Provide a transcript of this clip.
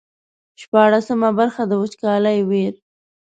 شپاړسمه برخه د وچکالۍ ویر.